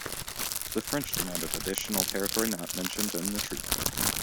The French demanded additional territory not mentioned in the Treaty.